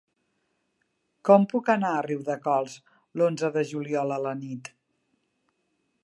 Com puc anar a Riudecols l'onze de juliol a la nit?